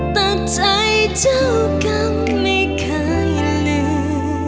แต่ใจเจ้ากรรมไม่เคยลืม